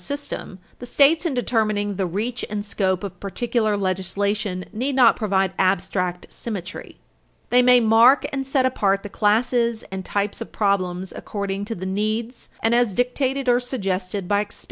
540 system, the States, in determining the reach and scope of particular legislation, need not provide "abstract symmetry." Patsone v. Pennsylvania, 232 U. S. 138, 232 U. S. 144. They may mark and set apart the classes and types of problems according to the needs and as dictated or suggested by experience.